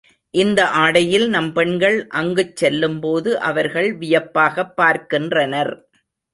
இந்த ஆடையில் நம் பெண்கள் அங்குச் செல்லும்போது அவர்கள் வியப்பாகப் பார்க்கின்றனர்.